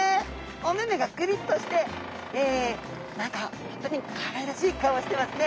お目々がクリッとして何かホントにかわいらしい顔してますね。